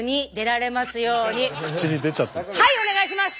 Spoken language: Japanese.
はいお願いします！